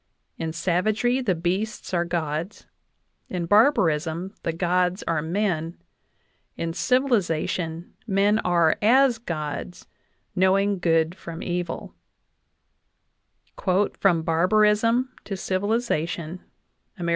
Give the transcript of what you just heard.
In savagery, the beasts are gods; in barbarism, the gods are men ; in civilization, men are as gods, knowing good from evil" (From Barbarism to Civilization, Amer.